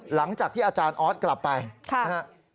หลังจากที่อาจารย์อ๊อตกลับไปนะครับค่ะค่ะค่ะค่ะค่ะ